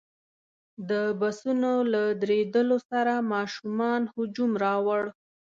د بسونو له درېدلو سره ماشومانو هجوم راوړ.